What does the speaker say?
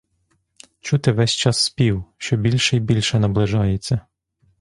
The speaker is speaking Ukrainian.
Чути весь час спів, що більше й більше наближається.